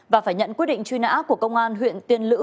và phải nhận quyết định truy nã của công an huyện tiên lữ